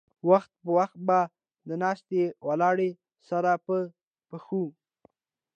وخت پۀ وخت به د ناستې ولاړې سره پۀ پښو